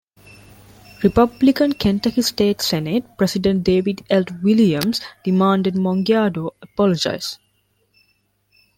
Republican Kentucky State Senate President David L. Williams demanded Mongiardo apologize.